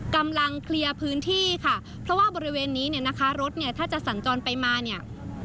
กำลังเคลียร์พื้นที่ค่ะเพราะว่าบริเวณนี้เนี่ยนะคะรถเนี่ยถ้าจะสัญจรไปมาเนี่ย